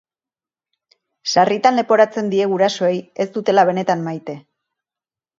Sarritan leporatzen die gurasoei ez dutela benetan maite.